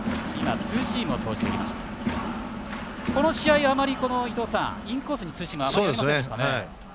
この試合、あまりインコースにツーシームあまりありませんでしたね。